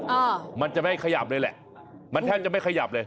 อ่ามันจะไม่ขยับเลยแหละมันแทบจะไม่ขยับเลย